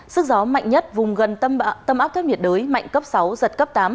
sức gió mạnh nhất vùng gần tâm áp thấp nhiệt đới mạnh cấp sáu giật cấp tám